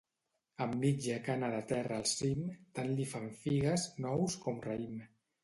Amb mitja cana de terra al cim, tant li fan figues, nous com raïm.